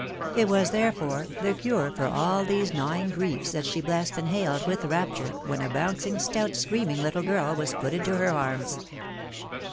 It was, therefore, the c\ire for all these gnawing griefs that she blessed and hailed with rapture, when a bouncing, stout screaming little girl was put into her arms.